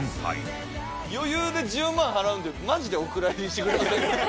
余裕で１０万払うんでマジでお蔵入りしてくれませんか？